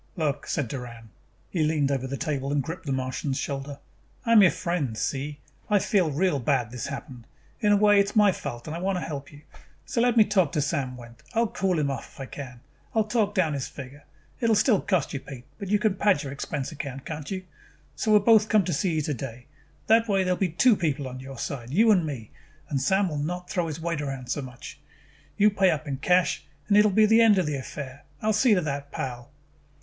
"Look," said Doran. He leaned over the table and gripped the Martian's shoulder. "I am your friend, see? I feel real bad this happened. In a way, it is my fault and I want to help you. So let me go talk to Sam Wendt. I will cool him off if I can. I will talk down his figure. It will still cost you, Pete, but you can pad your expense account, can't you? So we will both come see you today. That way there will be two people on your side, you and me, and Sam will not throw his weight around so much. You pay up in cash and it will be the end of the affair. I will see to that, pal!"